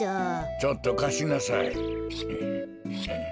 ちょっとかしなさい。